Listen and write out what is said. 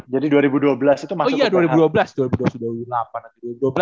jadi dua ribu dua belas itu masuk ke uph